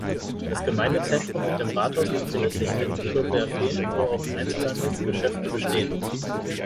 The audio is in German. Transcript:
Das Gemeindezentrum mit dem Rathaus befindet sich in Ihlowerfehn, wo auch Einzelhandelsgeschäfte bestehen.